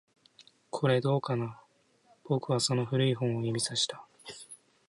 これ、どうかな？僕はその古い本を指差した